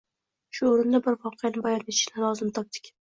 Shu oʻrinda bir voqeani bayon etishni lozim topdik